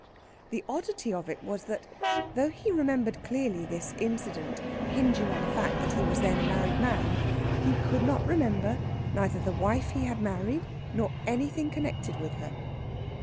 The oddity of it was that, though he remembered clearly this incident hinging on the fact that he was then a married man, he could remember neither the wife he had married nor anything connected with her.